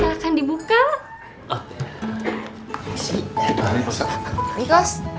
udah tunggu aja cicik